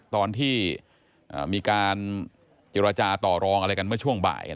ตอนที่มีการเจรจาต่อรองอะไรกันเมื่อช่วงบ่าย